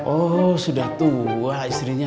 oh sudah tua istrinya